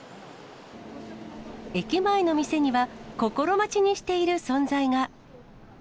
駅前の店には、心待ちにしている存在が。